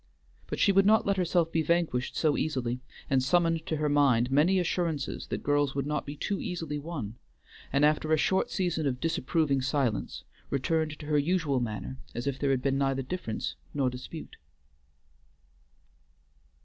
But she would not let herself be vanquished so easily, and summoned to her mind many assurances that girls would not be too easily won, and after a short season of disapproving silence, returned to her usual manner as if there had been neither difference nor dispute.